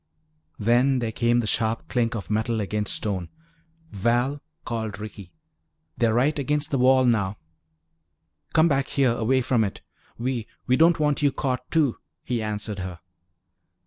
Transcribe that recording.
Then there came the sharp clink of metal against stone. "Val," called Ricky, "they're right against the wall now!" "Come back here, away from it. We we don't want you caught, too," he answered her.